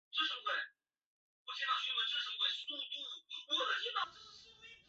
听大学同事说